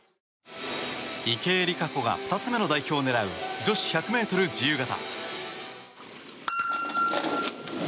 池江璃花子が２つ目の代表を狙う女子１００ｍ自由形。